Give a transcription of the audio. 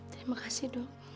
terima kasih dok